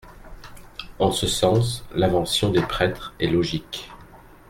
En ce sens, l’invention des prêtres est logique.